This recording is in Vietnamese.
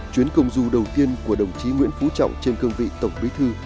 chuyến công du đầu tiên của đồng chí nguyễn phú trọng trên cương vị tổng bí thư